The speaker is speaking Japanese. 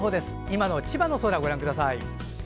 今の千葉の空をご覧ください。